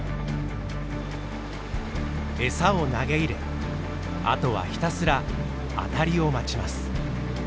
エサを投げ入れあとはひたすら当たりを待ちます。